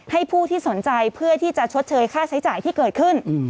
ผู้ที่สนใจเพื่อที่จะชดเชยค่าใช้จ่ายที่เกิดขึ้น